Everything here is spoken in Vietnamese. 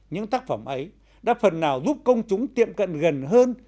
những tác phẩm ấy đã phần nào giúp công chúng tiệm cận gần hơn